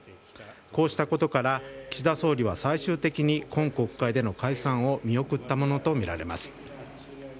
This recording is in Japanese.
こうしたことから岸田総理は最終的に今国会での解散を見送ったものとみられます。